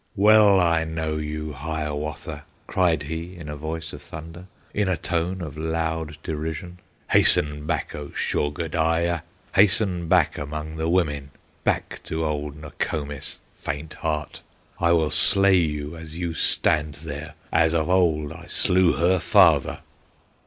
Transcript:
"Well I know you, Hiawatha!" Cried he in a voice of thunder, In a tone of loud derision. "Hasten back, O Shaugodaya! Hasten back among the women, Back to old Nokomis, Faint heart! I will slay you as you stand there, As of old I slew her father!"